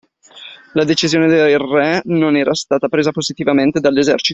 La decisione del Re non era stata presa positivamente dall’esercito.